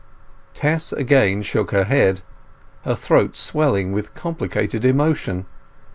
Tess again shook her head, her throat swelling with complicated emotion.